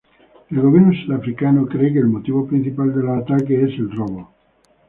El gobierno sudafricano cree que el motivo principal de los ataques es el robo.